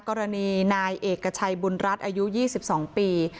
กรณีนายเอกชัยบุญรัฐอายุยี่สิบสองปี